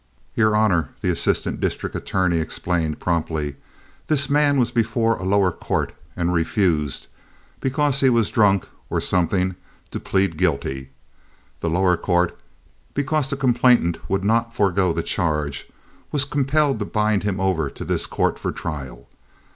"Your honor," the assistant district attorney explained, promptly, "this man was before a lower court and refused, because he was drunk, or something, to plead guilty. The lower court, because the complainant would not forego the charge, was compelled to bind him over to this court for trial.